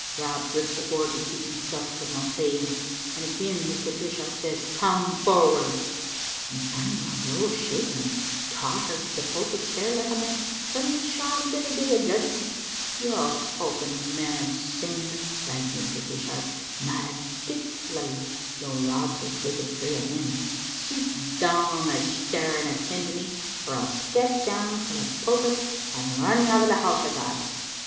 Rob gripped the board to keep himsel' frae obeying, and again Mr. Dishart says, *Come forward,' and syne Rob rose shak ing, and tottered to the pulpit stair like a man suddenly shot into the Day of Judgment. * You hulking man of $io/ cri^s Mr. Pishart, not a tick fieid, though Rob's ag Digitized by VjOOQ IC M XOk Xittle Ainf0tev« big as three o' him, 'sit down on the stair and attend to me, or I'll step doun frae the pulpit and run you out of the house of God.'"